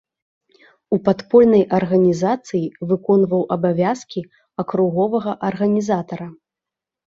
У падпольнай арганізацыі выконваў абавязкі акруговага арганізатара.